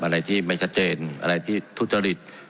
อะไรที่ไม่ชัดเจนอะไรที่ทุจริต